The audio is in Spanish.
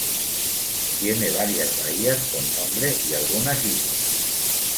Tiene varias bahías con nombre y algunas islas.